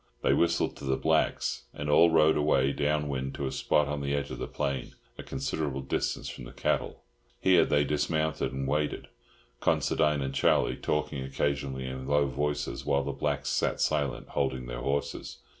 They whistled to the blacks, and all rode away down wind to a spot on the edge of the plain, a considerable distance from the cattle. Here they dismounted and waited, Considine and Charlie talking occasionally in low tones, while the blacks sat silent, holding their horses.